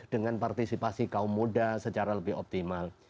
dengan partisipasi kaum muda secara lebih optimal